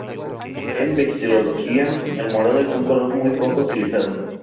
En vexilología, el morado es un color muy poco utilizado.